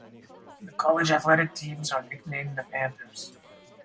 The college athletic teams are nicknamed the Panthers.